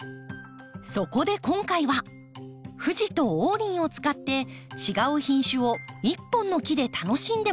そこで今回はふじと王林を使って違う品種を１本の木で楽しんでもらおうというのです。